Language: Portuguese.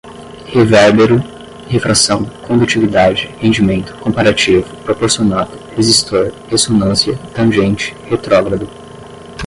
revérbero, refração, condutividade, rendimento, comparativo, proporcionado, resistor, ressonância, tangente, retrógrado